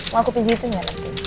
mau aku pijitin nggak lagi